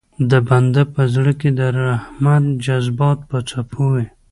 د بنده په زړه کې د رحمت جذبات په څپو وي.